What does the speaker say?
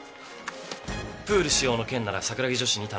プール使用の件なら桜木女子に頼んである。